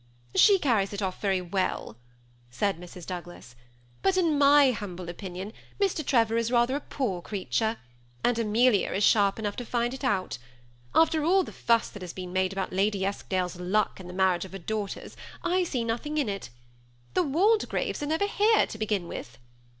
" She carries it off very well," said Mrs. Douglas ;" but in my humble opinion Mr. Trevor is rather a poor creature, and Amelia is sharp enough to find it out After all the fuss that has been made about Lady Esk dale's luck in the marriage of her daughters, I see nothing in it. The Waldegraves are never here, to begin with."